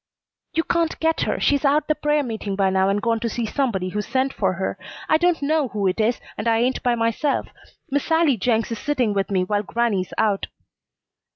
"You can't get her. She's out the prayer meeting by now and gone to see somebody who sent for her. I don't know who it is, and I ain't by myself. Miss Sallie Jenks is sitting with me while grannie's out."